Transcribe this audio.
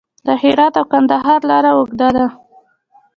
د هرات او کندهار لاره اوږده ده